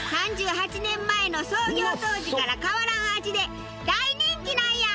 ３８年前の創業当時から変わらん味で大人気なんや！